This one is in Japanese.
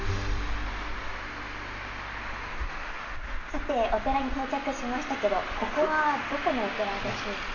さてお寺に到着しましたけどここはどこのお寺でしょうか？